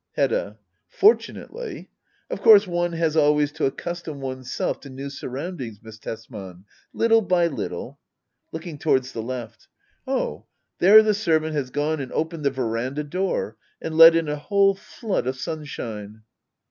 Hedda. Fortunately. Of course one has always to accustom one's self to new surroundings. Miss Tesman—little by little. [Looking towards the left,] Oh — ^there the servant has gone and opened the veranda door, and let in a whole flood of sunshine.